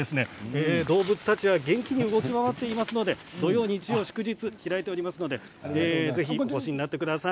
動物たちは元気に動き回っていますので土曜日曜祝日開いておりますのでぜひお越しになってください。